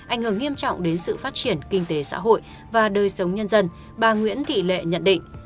ảnh hưởng nghiêm trọng đến sự phát triển kinh tế xã hội và đời sống nhân dân bà nguyễn thị lệ nhận định